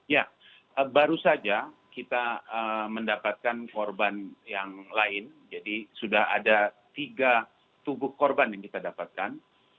ya baru saja kita mendapatkan korban yang lain jadi sudah ada tiga tubuh korban yang kita dapatkan